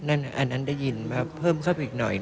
อันนั้นได้ยินว่าเพิ่มเข้าไปอีกหน่อย